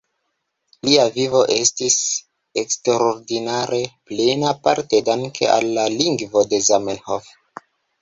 Lia vivo estis eksterordinare plena, parte danke al la lingvo de Zamenhof.